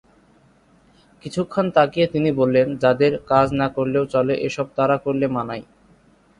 কিছুক্ষণ তাকিয়ে তিনি বললেন- 'যাদের কাজ না করলেও চলে এসব তারা করলে মানায়'।